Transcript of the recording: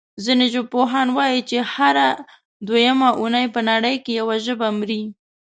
ځینې ژبپوهان وايي چې هره دویمه اوونۍ په نړۍ کې یوه ژبه مري.